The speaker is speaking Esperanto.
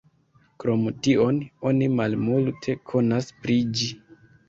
Krom tion, oni malmulte konas pri ĝi.